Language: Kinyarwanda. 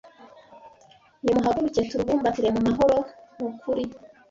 Nimuhaguruke, Turubumbatire mu mahoro, mu kuri